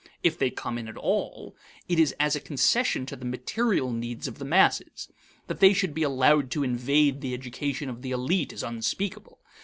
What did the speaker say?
If they come in at all, it is as a concession to the material needs of the masses. That they should be allowed to invade the education of the elite is unspeakable.